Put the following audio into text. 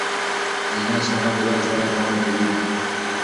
ذهني عکس العمل د بدو شیانو پر وړاندې طبيعي دی.